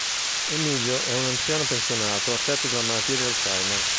Emilio è un anziano pensionato affetto dalla malattia di Alzheimer.